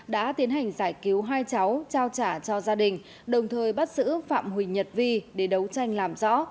đã tiến hành giải cứu hai cháu trao trả cho gia đình đồng thời bắt xử phạm huỳnh nhật vi để đấu tranh làm rõ